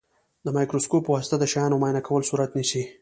د مایکروسکوپ په واسطه د شیانو معاینه کول صورت نیسي.